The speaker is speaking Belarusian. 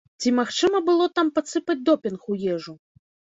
Ці магчыма было там падсыпаць допінг у ежу?